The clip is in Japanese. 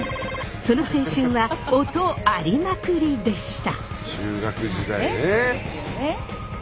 その青春は音有りまくりでした！